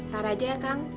tarah aja ya kang